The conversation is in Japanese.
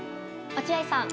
落合さん。